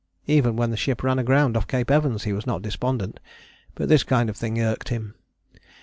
Even when the ship ran aground off Cape Evans he was not despondent. But this kind of thing irked him.